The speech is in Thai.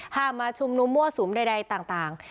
ห้ามมาชมนุมมั่วสุมได่ต่าง